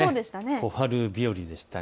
小春日和でした。